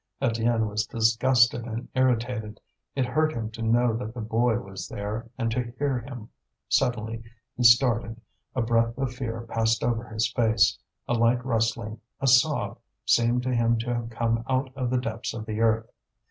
Étienne was disgusted and irritated; it hurt him to know that the boy was there and to hear him. Suddenly he started, a breath of fear passed over his face. A light rustling, a sob, seemed to him to have come out of the depths of the earth.